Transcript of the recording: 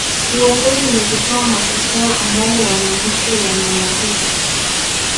uongozi ni kutoa matokeo ambayo wananchi wanayahita